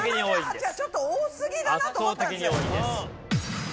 ７８はちょっと多すぎだなと思ったんです。